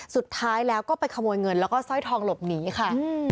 สุดท้ายแล้วก็ไปขโมยเงินแล้วก็สร้อยทองหลบหนีค่ะ